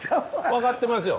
分かってますよ。